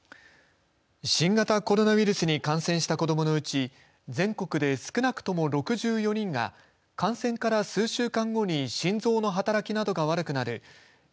新型コロナウイルスに感染した子どものうち全国で少なくとも６４人が感染から数週間後に心臓の働きなどが悪くなるＭＩＳ‐Ｃ